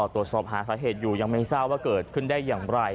ตรวจสอบหาสาเหตุอยู่ยังไม่ทราบว่าเกิดขึ้นได้อย่างไร